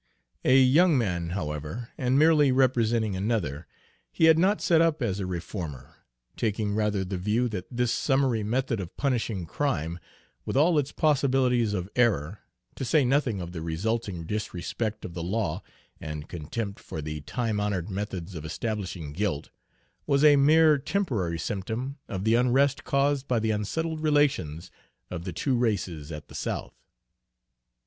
A young man, however, and merely representing another, he had not set up as a reformer, taking rather the view that this summary method of punishing crime, with all its possibilities of error, to say nothing of the resulting disrespect of the law and contempt for the time honored methods of establishing guilt, was a mere temporary symptom of the unrest caused by the unsettled relations of the two races at the South.